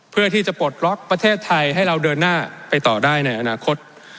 เพื่อที่จะปลดล็อกประเทศไทยให้เราเดินหน้าไปต่อได้ในอนาคต